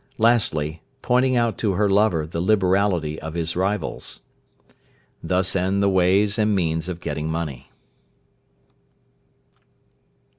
Lastly, pointing out to her lover the liberality of his rivals. Thus end the ways and means of getting money.